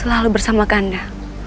selalu bersama kanda